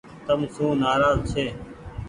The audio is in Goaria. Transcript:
تم سون نآراز ڇي۔